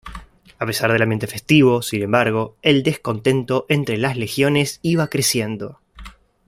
A pesar del ambiente festivo, sin embargo, el descontento entre las legiones iba creciendo.